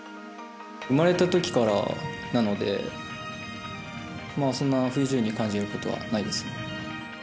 生まれたときからなのでそんな不自由に感じることはないですね。